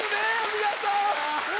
皆さん。